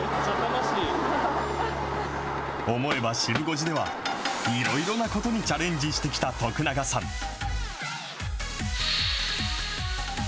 思えばシブ５時では、いろいろなことにチャレンジしてきた徳永さん。